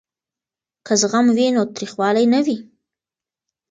که زغم وي نو تریخوالی نه وي.